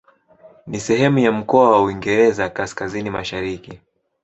Ni sehemu ya mkoa wa Uingereza Kaskazini-Mashariki.